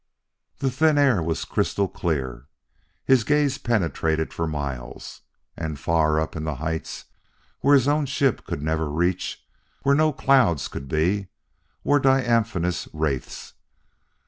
The thin air was crystal clear; his gaze penetrated for miles. And far up in the heights, where his own ship could never reach and where no clouds could be, were diaphanous wraiths.